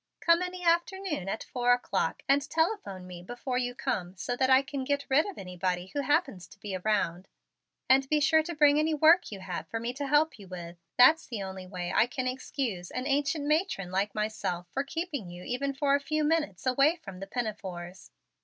"Come any afternoon at four o'clock and telephone me before you come so that I can get rid of anybody who happens to be around. And be sure to bring any work you have for me to help you with. That's the only way I can excuse an ancient matron like myself for keeping you even for a few minutes away from the pinafores."